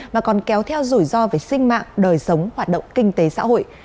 mà còn kéo theo rủi ro về sinh mạng đời sống hoạt động kinh tế xã hội